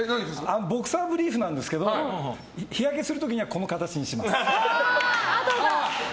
ボクサーブリーフなんですけど日焼けする時にはこの形にします。